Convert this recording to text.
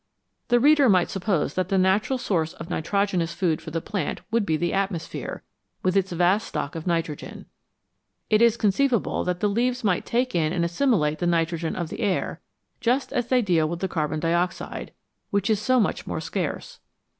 The reader might suppose that the natural source of nitrogenous food for the plant would be the atmosphere, with its vast stock of nitrogen. It is conceivable that the leaves might take in and assimilate the nitrogen of the air, just as they deal with the carbon dioxide, which is so much more scarce.